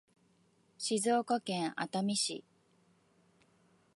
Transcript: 静岡県熱海市